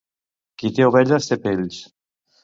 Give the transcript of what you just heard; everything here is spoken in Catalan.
Qui té ovelles, té pells.